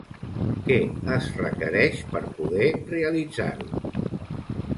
Què es requereix per poder realitzar-ho?